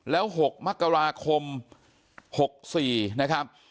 แล้ว๖มกราคม๖๔นะครับ